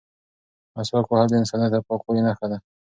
مسواک وهل د انسانیت او پاکوالي نښه ده.